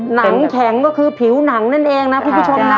หนังแข็งก็คือผิวหนังนั่นเองนะคุณผู้ชมนะ